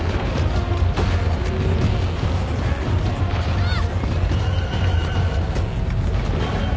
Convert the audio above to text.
あっ！